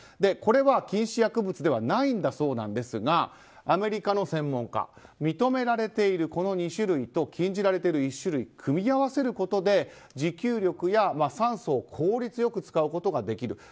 これは禁止薬物ではないんだそうなんですがアメリカの専門家認められているこの２種類と禁じられている１種類を組み合わせることで持久力や酸素を効率よく使うことができる。